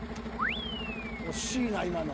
惜しいな今の。